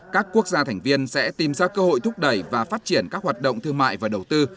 các quốc gia thành viên sẽ tìm ra cơ hội thúc đẩy và phát triển các hoạt động thương mại và đầu tư